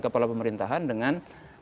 kepala pemerintahan dengan